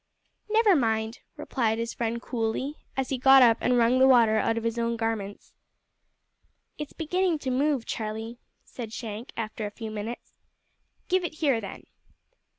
"Never mind," replied his friend coolly, as he got up and wrung the water out of his own garments. "It's beginning to move, Charlie," said Shank, after a few minutes. "Give it here, then."